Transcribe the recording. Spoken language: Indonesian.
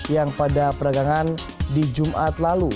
yang pada perdagangan di jumat lalu